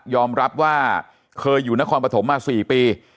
อมรับว่าเคยอยู่นครปฐมมา๔ปี